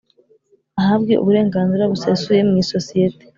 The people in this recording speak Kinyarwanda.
Ahabwe uburenganzira busesuye mu isosiyete